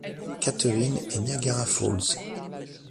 Catherines et Niagara Falls.